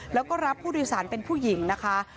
แล้วก็รับผู้โดยสารเป็นผู้หญิงนะคะ